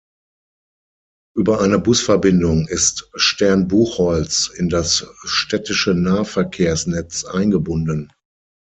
Über eine Busverbindung ist Stern Buchholz in das städtische Nahverkehrsnetz eingebunden.